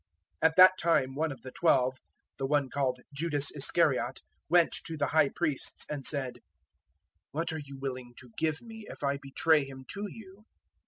026:014 At that time one of the Twelve, the one called Judas Iscariot, went to the High Priests 026:015 and said, "What are you willing to give me if I betray him to you?"